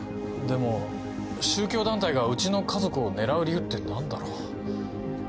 でも宗教団体がうちの家族を狙う理由って何だろう？